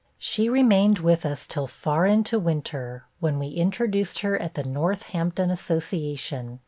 'She remained with us till far into winter, when we introduced her at the Northampton Association.'